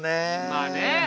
まあね！